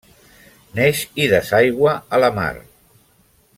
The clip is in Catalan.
Neix a i desaigua a la mar.